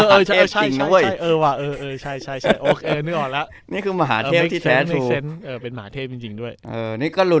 เออใช่ใช่อ่ะเออใช่